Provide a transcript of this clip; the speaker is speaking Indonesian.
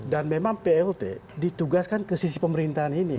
dan memang plt ditugaskan ke sisi pemerintahan ini